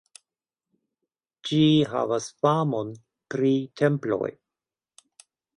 Ĝi havas famon pri temploj.